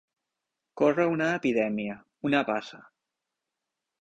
Córrer una epidèmia, una passa.